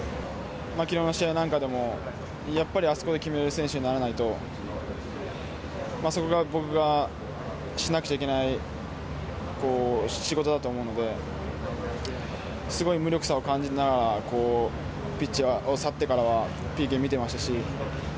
昨日の試合なんかでもやっぱりあそこで決めれる選手にならないとそこが、僕がしなくちゃいけない仕事だと思うのですごい無力さを感じながらピッチを去ってからはＰＫを見てましたし。